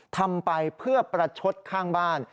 ทำไปเพื่อประชดข้างบ้าน